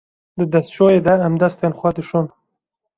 Di destşoyê de, em destên xwe dişon.